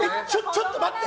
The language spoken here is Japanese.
ちょっと待って！